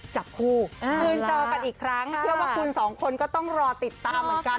จับคู่คืนเจอกันอีกครั้งเชื่อว่าคุณสองคนก็ต้องรอติดตามเหมือนกัน